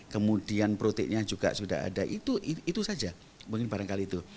kemudian proteinnya juga sudah ada itu saja mungkin barangkali itu